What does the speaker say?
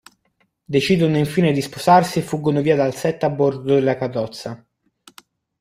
Decidono infine di sposarsi e fuggono via dal set a bordo della carrozza.